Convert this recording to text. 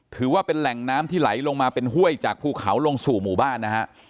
ถือว่าเป็นแหล่งน้ำที่ไหลลงมาเป็นห้วยจากภูเขาลงสู่หมู่บ้านนะฮะ